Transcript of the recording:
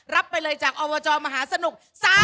รับไปเลยจากอวจมหาสนุก๓๐